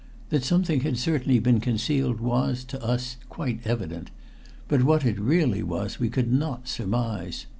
That something had certainly been concealed was, to us, quite evident, but what it really was we could not surmise.